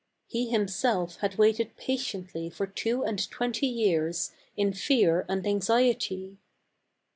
He himself had waited patiently for two and twenty years, in fear and anxiety.